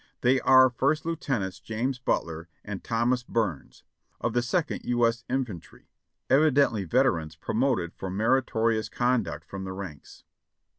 They are First Lieutenants (James) Butler and (Thomas) Burns (Byrne?) of the Second U. S. Infantry, evidently veterans promoted for meritorious conduct from the ranks.